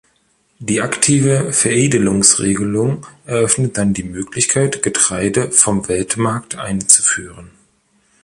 Die aktive Veredelungsregelung eröffnet dann die Möglichkeit, Getreide vom Weltmarkt einzuführen.